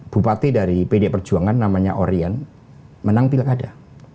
bupati dari pd perjuangan namanya orien menang pilkada